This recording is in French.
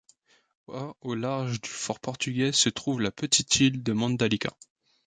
À au large du fort portugais se trouve la petite île de Mandalika.